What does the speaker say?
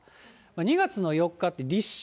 ２月の４日って立春、